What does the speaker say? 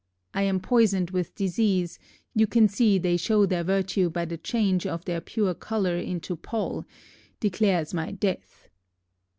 I am poisoned with disease: you see they shewe their virtue by the chainge of their pure culler into pall: declares my death.